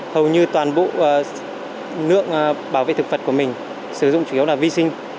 hầu như toàn bộ nước bảo vệ thực vật của mình sử dụng chủ yếu là vệ sinh